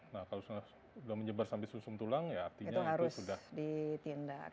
nah kalau sudah menyebar sampai susun tulang ya artinya itu sudah ditindak